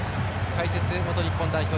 解説、元日本代表